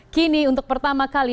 kini untuk pertama kali